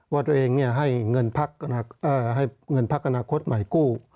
ว่าตัวเองให้เงินพักอนาคตใหม่กู้